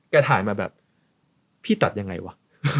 ถ่ายมาแบบพี่ตัดยังไงวะ